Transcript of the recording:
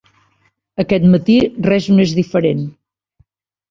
Aquest matí res no és diferent.